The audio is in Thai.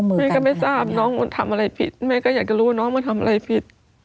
ไม่ทราบเรื่องทำอะไรผิด